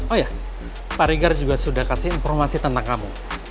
oh ya pak rigar juga sudah kasih informasi tentang kamu